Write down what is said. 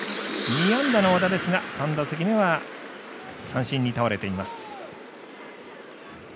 ２安打の小田ですが、３打席目は三振に倒れています。